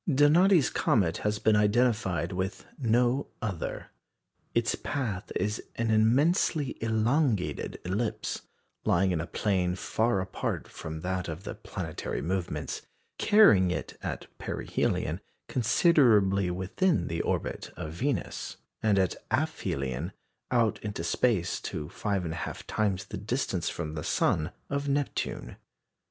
Donati's comet has been identified with no other. Its path is an immensely elongated ellipse, lying in a plane far apart from that of the planetary movements, carrying it at perihelion considerably within the orbit of Venus, and at aphelion out into space to 5 1/2 times the distance from the sun of Neptune.